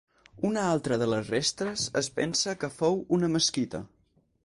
Una altra de les restes es pensa que fou una mesquita.